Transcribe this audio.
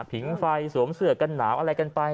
ผิงไฟสวมเสือกันหนาวอะไรกันไป